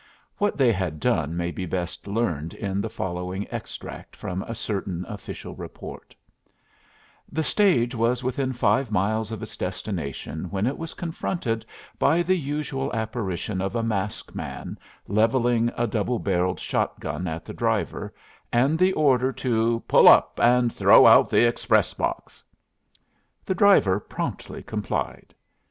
What they had done may be best learned in the following extract from a certain official report: "The stage was within five miles of its destination when it was confronted by the usual apparition of a masked man levelling a double barrelled shot gun at the driver, and the order to 'Pull up, and throw out the express box.' The driver promptly complied.